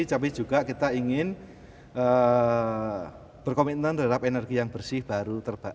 tapi juga kita ingin berkomitmen terhadap energi yang bersih baru